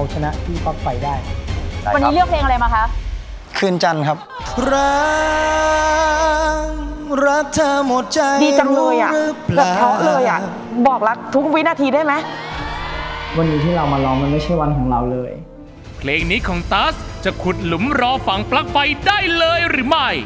สติกนี้ของตั๊สจะคุดหลุมรอฝั่งปลั๊กไฟได้เลยหรือไม่